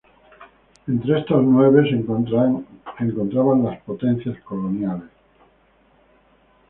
Entre estos nueve se encontraban las potencias coloniales.